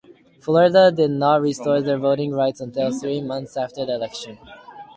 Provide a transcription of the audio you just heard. Florida did not restore their voting rights until three months after the election.